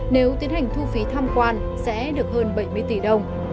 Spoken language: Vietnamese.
nếu tiến hành thu phí tham quan sẽ được hơn bảy mươi tỷ đồng